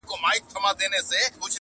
خوشحال بلله پښتانه د لندو خټو دېوال!.